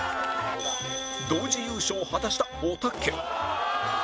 同時優勝を果たしたおたけ